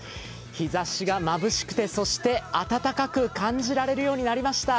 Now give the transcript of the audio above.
日ざしがまぶしくて、そして温かく感じられるようになりました。